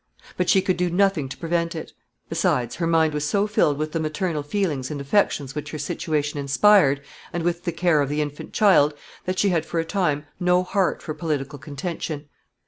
But she could do nothing to prevent it. Besides, her mind was so filled with the maternal feelings and affections which her situation inspired and with the care of the infant child, that she had for a time no heart for political contention. [Sidenote: Her condition.